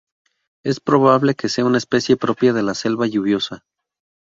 Es probable que sea una especie propia de la selva lluviosa.